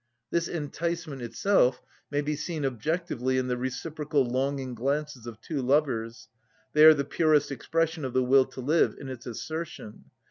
This enticement itself may be seen objectively in the reciprocal longing glances of two lovers; they are the purest expression of the will to live, in its assertion.